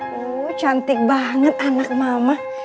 wuh cantik banget anak mama